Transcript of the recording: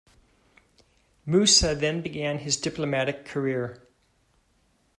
Moussa then began his diplomatic career.